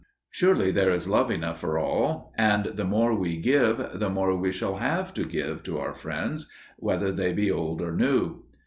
Surely there is love enough for all, and the more we give the more we shall have to give to our friends, whether they be old or new.